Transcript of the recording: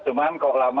cuman kalau lalu